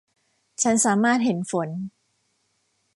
ฉันสามารถเห็นฝน